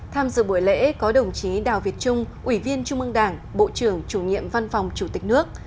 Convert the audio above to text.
tham dự buổi lễ có đồng chí đào việt trung ủy viên trung ương đảng bộ trưởng chủ nhiệm văn phòng chủ tịch nước